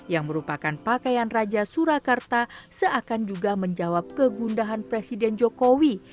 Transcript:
yang merupakan pakaian raja surakarta seakan juga menjawab kegundahan presiden jokowi